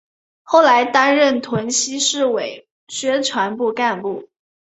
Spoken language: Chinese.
后来担任屯溪市委宣传部干部。